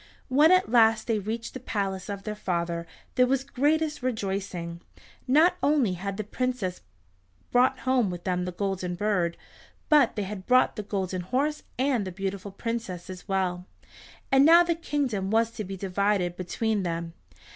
When at last they reached the palace of their father there was the greatest rejoicing. Not only had the princes brought home with them the Golden Bird, but they had brought the Golden Horse, and the beautiful Princess as well, and now the kingdom was to be divided between them.